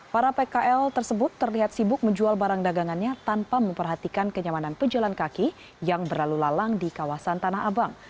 para pkl tersebut terlihat sibuk menjual barang dagangannya tanpa memperhatikan kenyamanan pejalan kaki yang berlalu lalang di kawasan tanah abang